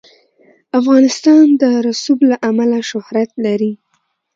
افغانستان د رسوب له امله شهرت لري.